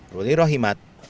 ruli rohimat bandung